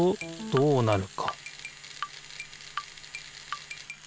どうなる？